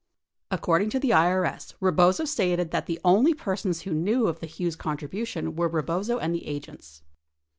Accord ing to the IRS, Rebozo stated that the only persons who knew of the Hughes contribution were Rebozo and the agents.